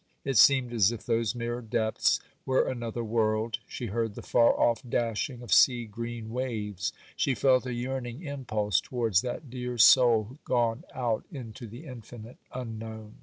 It seemed as if those mirror depths were another world; she heard the far off dashing of sea green waves; she felt a yearning impulse towards that dear soul gone out into the infinite unknown.